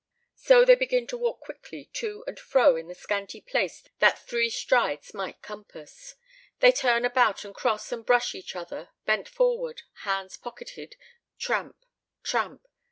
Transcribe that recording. So they begin to walk quickly to and fro in the scanty place that three strides might compass; they turn about and cross and brush each other, bent forward, hands pocketed tramp, tramp.